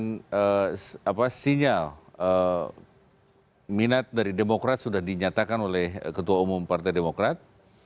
sinyal minat dari demokrat sudah dinyatakan oleh ketua umum partai demokrat